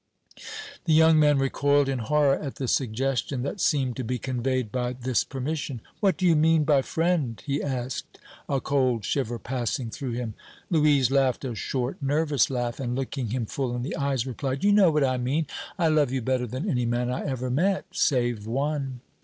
The young man recoiled in horror at the suggestion that seemed to be conveyed by this permission. "What do you mean by friend?" he asked, a cold shiver passing through him. Louise laughed a short, nervous laugh, and, looking him full in the eyes, replied: "You know what I mean. I love you better than any man I ever met, save one."